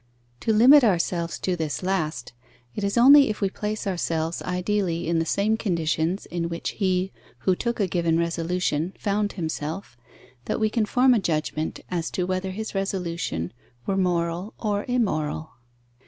To limit ourselves to this last, it is only if we place ourselves ideally in the same conditions in which he who took a given resolution found himself, that we can form a judgment as to whether his resolution were moral or immoral.